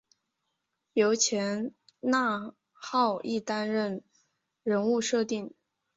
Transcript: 由前纳浩一担任人物设定。